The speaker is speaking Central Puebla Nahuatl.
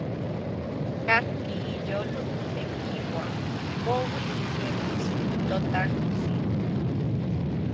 Kajki iyolo tekiua, poui iyelis ToTajtsin.